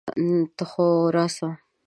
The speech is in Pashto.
ته خو راسه!